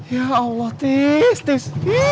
ya allah tis